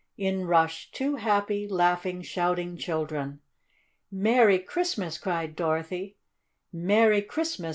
In rushed two happy, laughing, shouting children. "Merry Christmas!" cried Dorothy. "Merry Christmas!"